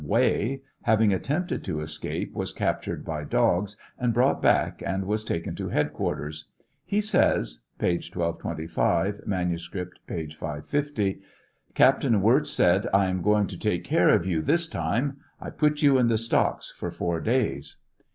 Way, having attempted to escape, was captured by dogs and brought back, and was taken to headquarters. He says, (p. 1225 ; manuscript, p. 550 :) Captain Wirz said, " I am going to take care of you this time ; I put you in the stoclis for four days.